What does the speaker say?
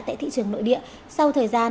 tại thị trường nội địa sau thời gian